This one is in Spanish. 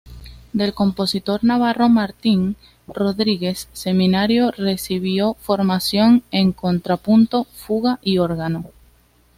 Del compositor navarro Martín Rodríguez Seminario recibió formación en contrapunto, fuga y órgano.